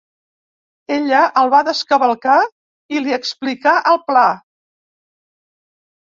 Ella el va descavalcar i li explicà el pla.